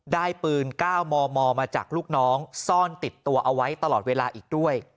ได้ปืน๙มมมาจากลูกน้องซ่อนติดตัวเอาไว้ตลอดเวลาอีกด้วย